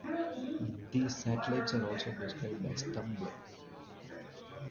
These satellites are also described as "tumbling".